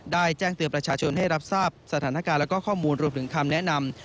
แจ้งเตือนประชาชนให้รับทราบสถานการณ์และข้อมูลรวมถึงคำแนะนำ